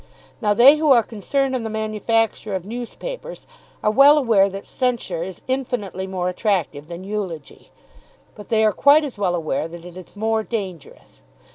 Now they who are concerned in the manufacture of newspapers are well aware that censure is infinitely more attractive than eulogy, but they are quite as well aware that it is more dangerous.